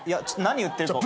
何言ってるか。